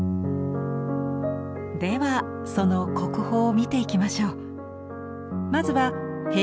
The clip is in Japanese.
ではその国宝を見ていきましょう。